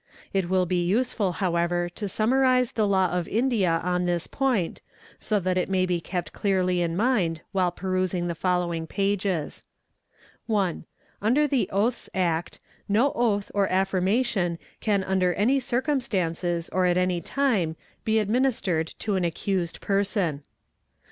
It will be useful however to summarize the Law of India on this point, so that it may be ept clearly in mind while perusing the following pages. 1. Under the Oaths Act, no oath or affirmation can under any cir "cumstances or at any time be administered to an accused person.